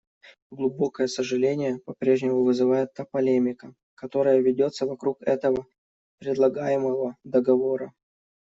Глубокое сожаление по-прежнему вызывает та полемика, которая ведется вокруг этого предлагаемого договора.